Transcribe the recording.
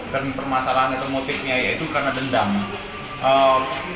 dan permasalahan etermotifnya yaitu karena dendam